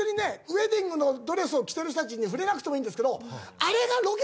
ウエディングのドレスを着てる人たちに触れなくてもいいんですけど。